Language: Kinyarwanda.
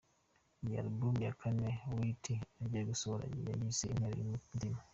Iyi Album ya kane R Tuty agiye gusohora yayise ‘Intero y’Umutima’.